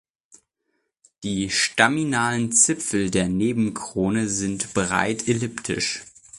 Die staminalen Zipfel der Nebenkrone sind breit elliptisch.